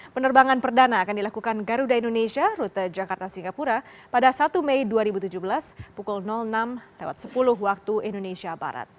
penerbangan perdana akan dilakukan garuda indonesia rute jakarta singapura pada satu mei dua ribu tujuh belas pukul enam sepuluh waktu indonesia barat